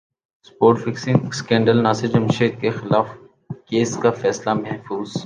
spot fixing اسکینڈلناصر جمشید کیخلاف case کا فیصلہ محفوظ